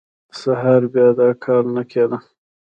سهار بیا دا کار نه کېده.